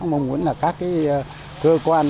mong muốn là các cái cơ quan